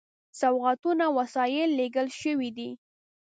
سوغاتونه او وسایل لېږل شوي دي.